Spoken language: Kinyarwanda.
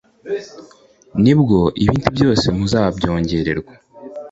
ni bwo ibindi byose muzabyongererwa."